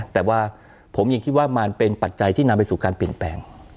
แต่ว่าผมยังคิดว่ามันเป็นปัจจัยที่นำไปสู่การเปลี่ยนแปลง